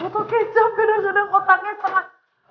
botol kecap beda beda kotaknya setengah